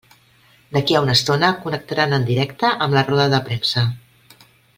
D'aquí a una estona connectaran en directe amb la roda de premsa.